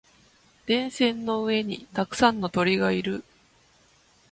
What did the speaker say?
電線の上にたくさんの鳥がいる。